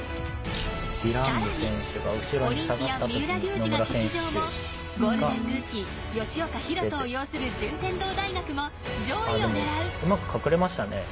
更に、オリンピアン三浦龍司が欠場もゴールデンルーキー吉岡大翔を擁する順天堂大学も上位を狙う。